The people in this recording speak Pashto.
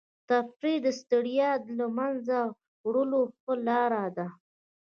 تفریح د ستړیا د له منځه وړلو ښه لاره ده.